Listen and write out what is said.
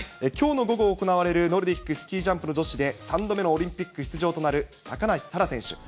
きょうの午後行われるノルディックスキージャンプの女子で３度目のオリンピック出場となる高梨沙羅選手。